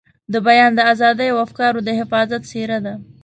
د بیان د ازادۍ او افکارو د حفاظت څېره ده.